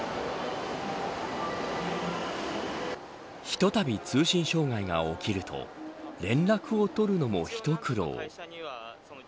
ひとたび通信障害が起きると連絡を取るのも一苦労。